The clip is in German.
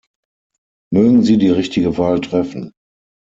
Mögen sie die richtige Wahl treffen!